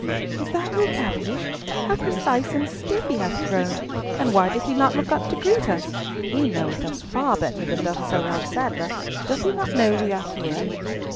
"Is that Will Cavendish? How precise and stiff he hath grown, and why doth he not look up and greet us? He knoweth us far better than doth Sir Ralf Sadler; doth he not know we are here?"